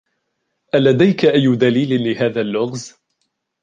ألديك أي دليل لهذا اللغز؟